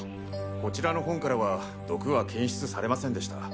こちらの本からは毒は検出されませんでした。